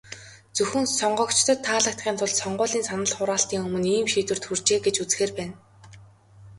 Зөвхөн сонгогчдод таалагдахын тулд, сонгуулийн санал хураалтын өмнө ийм шийдвэрт хүрчээ гэж үзэхээр байна.